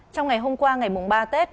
trong ngày hôm qua ngày mùng ba tết